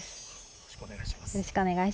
よろしくお願いします。